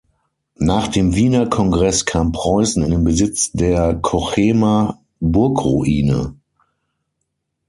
Nach dem Wiener Kongress kam Preußen in den Besitz der Cochemer Burgruine.